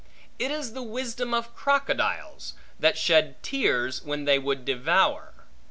It is the wisdom of crocodiles, that shed tears when they would devour.